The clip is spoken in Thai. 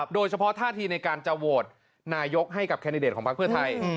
โดยเฉพาะท่าทีในการจะโหวตนายกให้กับแคนดิเดตของพักเพื่อไทย